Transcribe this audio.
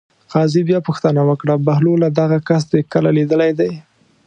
قاضي بیا پوښتنه وکړه: بهلوله دغه کس دې کله لیدلی دی.